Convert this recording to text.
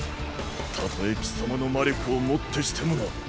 たとえ貴様の魔力をもってしてもな。